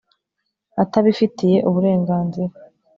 atabifitiye uburenganzira